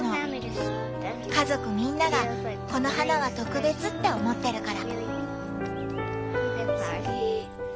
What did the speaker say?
家族みんながこの花は特別って思ってるから。